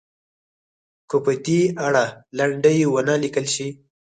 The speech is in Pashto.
که په دې اړه لنډۍ ونه لیکل شي.